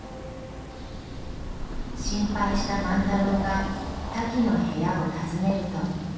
心配した万太郎がタキの部屋を訪ねると。